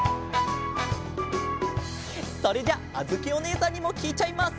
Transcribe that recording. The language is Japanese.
それじゃああづきおねえさんにもきいちゃいます。